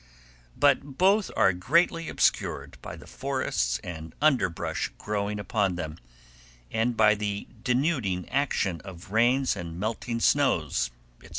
But both are greatly obscured by the forests and underbrush growing upon them, and by the denuding action of rains and melting snows, etc.